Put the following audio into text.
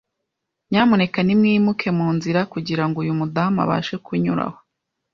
Nyamuneka nimwimuke munzira kugirango uyu mudamu abashe kunyuramo.